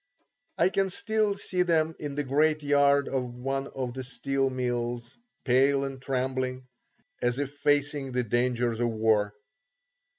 I can still see them in the great yard of one of the steel mills, pale and trembling, as if facing the dangers of war.